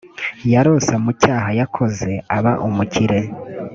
yaronse mu cyaha yakoze aba umukire